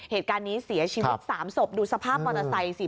เหตุการณ์นี้เสียชีวิต๓ศพดูสภาพมอเตอร์ไซค์สิ